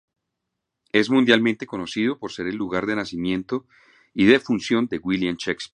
Es mundialmente conocido por ser el lugar de nacimiento y defunción de William Shakespeare.